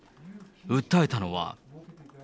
訴えたのは。